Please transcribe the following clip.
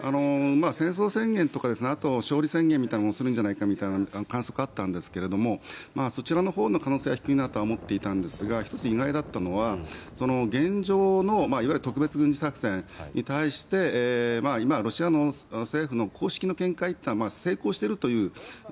戦争宣言とかあと勝利宣言みたいなものをするんじゃないかという観測があったんですがそちらのほうの可能性は低いなと思っていたんですが１つ、意外だったのは現状のいわゆる特別軍事作戦に対して今、ロシア政府の公式の見解というのは成功しているという。